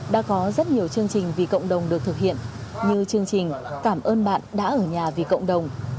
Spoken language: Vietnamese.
đã có rất nhiều chương trình vì cộng đồng được thực hiện như chương trình cảm ơn bạn đã ở nhà vì cộng đồng